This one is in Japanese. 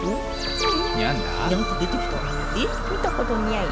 えっ？